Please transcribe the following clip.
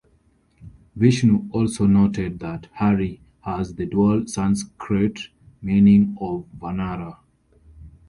Vishnu also noted that "Hari" has the dual Sanskrit meaning of "vanara".